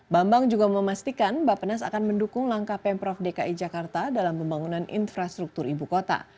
bambang juga memastikan bapenas akan mendukung langkah pemprov dki jakarta dalam pembangunan infrastruktur ibu kota